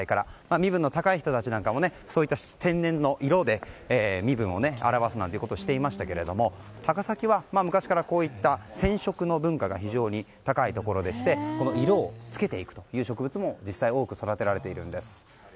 身分の高い人たちなんかも天然の色で身分を表すということをしていましたが高崎は昔からこうした染色の文化が非常に高いところでこの色をつけていくという植物も実際に多く育てられています。